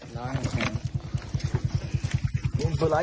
แบบนั้น